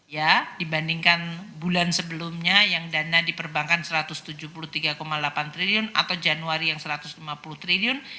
ya dibandingkan bulan sebelumnya yang dana di perbankan rp satu ratus tujuh puluh tiga delapan triliun atau januari yang rp satu ratus lima puluh triliun